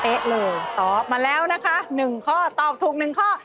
เลยตอบมาแล้วนะคะ๑ข้อตอบถูก๑ข้อ